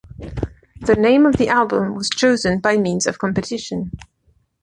The name of the album was chosen by means of competition.